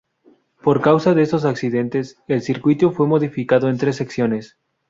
Por causa de estos accidentes, el circuito fue modificado en tres secciones.